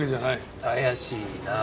怪しいなあ。